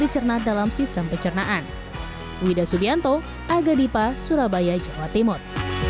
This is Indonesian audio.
dicerna dalam sistem pencernaan wida subianto aga dipa surabaya jawa timur